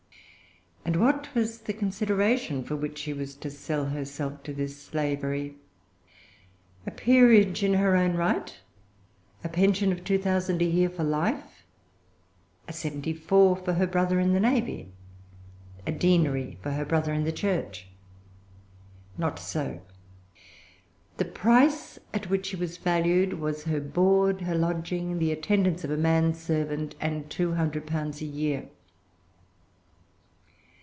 And what was the consideration for which she was to sell herself to this slavery? A peerage in her own right? A pension of two thousand a year for life? A seventy four for her brother in the navy? A deanery for her brother in the church? Not so. The price at which she was valued was her board, her lodging, the attendance of a manservant, and two hundred pounds a year.